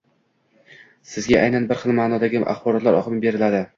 sizga aynan bir xil maʼnodagi axborotlar oqimi beriladi.